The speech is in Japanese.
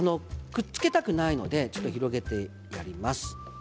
くっつけたくないので広げてやっています。